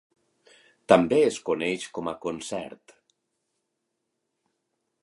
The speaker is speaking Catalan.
També es coneix com a concert.